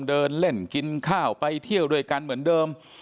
เดินเล่นกินข้าวไปเที่ยวด้วยกันเหมือนเดิม